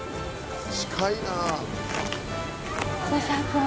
近いなあ。